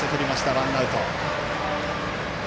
ワンアウト。